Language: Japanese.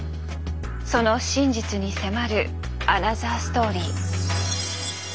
その真実に迫るアナザーストーリー。